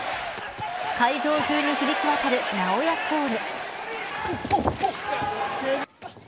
会場中に響き渡るなおやコール。